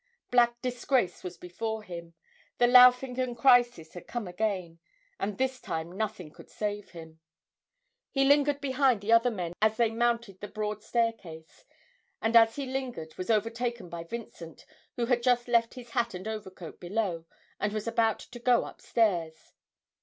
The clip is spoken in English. Black disgrace was before him, the Laufingen crisis had come again, and this time nothing could save him. He lingered behind the other men as they mounted the broad staircase, and as he lingered was overtaken by Vincent, who had just left his hat and overcoat below, and was about to go upstairs.